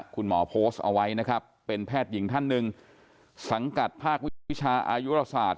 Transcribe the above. คุณหมอโพสต์เอาไว้นะครับเป็นแพทย์หญิงท่านหนึ่งสังกัดภาควิจิตวิชาอายุราศาสตร์